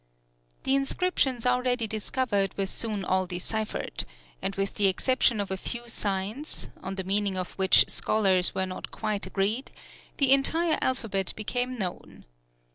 The inscriptions already discovered were soon all deciphered; and with the exception of a few signs, on the meaning of which scholars were not quite agreed, the entire alphabet became known.